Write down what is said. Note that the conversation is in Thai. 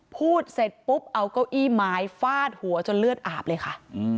พูดเสร็จปุ๊บเอาเก้าอี้ไม้ฟาดหัวจนเลือดอาบเลยค่ะ